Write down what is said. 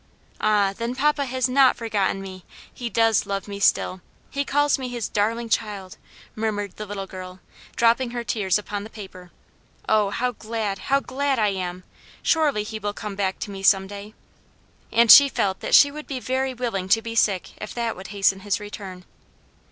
"Ah! then papa has not forgotten me! he does love me still he calls me his darling child," murmured the little girl, dropping her tears upon the paper. "Oh, how glad, how glad I am! surely he will come back to me some day;" and she felt that she would be very willing to be sick if that would hasten his return.